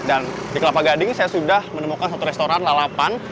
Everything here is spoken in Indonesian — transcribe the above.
dan di kelapa gading saya sudah menemukan satu restoran lalapan